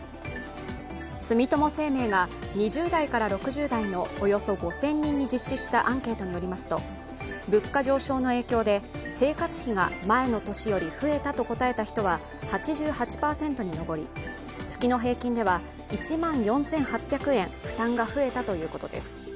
住友生命が２０代から６０代のおよそ５０００人に実施したアンケートによりますと、物価上昇の影響で生活費が前の年より増えたと答えた人は８８％に上り月の平均では１万４８００円負担が増えたということです。